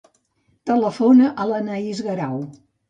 Telefona a l'Anaís Garau.